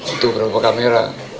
itu berapa kamera